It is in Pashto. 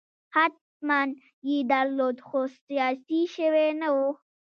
حتماً یې درلود خو سیاسي شوی نه و.